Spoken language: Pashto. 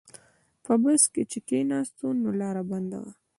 په بس کې چې کیناستو نو لاره بنده وه.